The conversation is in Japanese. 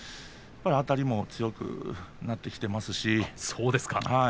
あたりも強くなってきています。